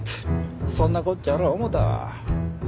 そんなこっちゃろう思ったわ。